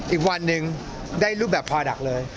อีกวันหนึ่งได้รูปแบบพอดักต์เลย